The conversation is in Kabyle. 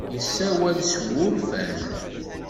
Yessawal s wurfan.